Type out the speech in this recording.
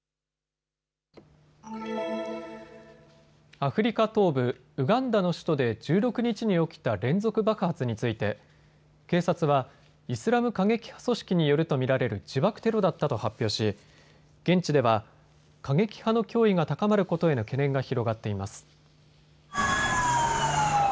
アフリカ東部、ウガンダの首都で１６日に起きた連続爆発について警察はイスラム過激派組織によると見られる自爆テロだったと発表し、現地では過激派の脅威が高まることへの懸念が広がっています。